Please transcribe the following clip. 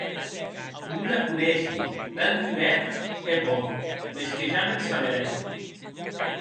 Non la coneishi; l’an dubèrt hè pòc; mès que ja m’en saberè.